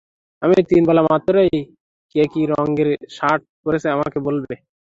আমি তিন বলা মাত্রই কে কী রঙ্গের শার্ট, পরেছ আমাকে বলবে।